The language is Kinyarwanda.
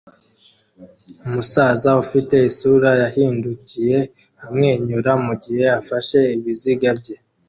Umusaza ufite isura yahindukiye amwenyura mugihe afashe ibiziga bye